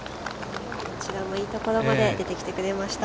こちらもいい所まで出てきてくれました。